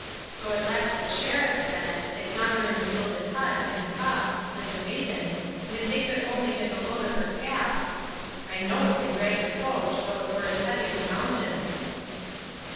So at last the Sheriff said, that yonder in the gilded hut, in the copse, lived a maiden, and if they could only get the loan of her calf: "I know it can drag the coach, though it were as heavy as a mountain."